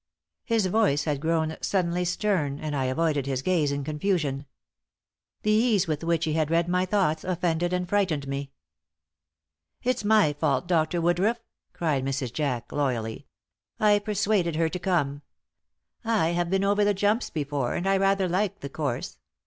His voice had grown suddenly stern, and I avoided his gaze in confusion. The ease with which he had read my thoughts offended and frightened me. "It's my fault, Dr. Woodruff," cried Mrs. Jack, loyally; "I persuaded her to come. I have been over the jumps before, and I rather like the course.